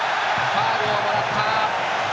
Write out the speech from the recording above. ファウルをもらった。